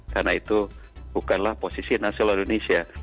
karena itu bukanlah posisi nasional indonesia